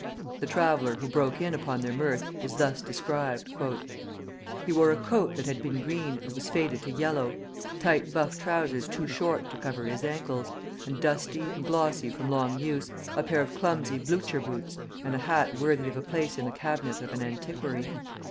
The traveller who broke in upon their mirth is thus described: "He wore a coat that had been green, and was faded to yellow, tight buff trousers too short to cover his ankles, and dusty, and glossy from long use, a pair of clumsy blucher boots, and a hat worthy of a place in the cabinet of an antiquary.